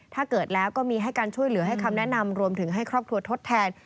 ถ้าเกิดแล้วก็มีให้การช่วยเหลือให้คำแนะนำรวมถึงให้ครอบครัวทดแทน